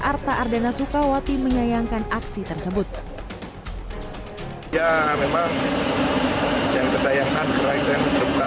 arta ardana sukawati menyayangkan aksi tersebut ya memang yang kesayangan kerahitkan terbuka